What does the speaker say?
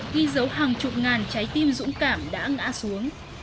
ghi dấu hàng chục ngàn trái tim dũng cảm đã ngã xuống